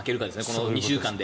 この２週間で。